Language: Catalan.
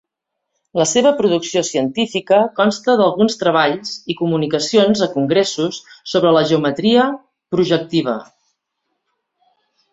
La seva producció científica consta d'alguns treballs i comunicacions a congressos sobre la Geometria Projectiva.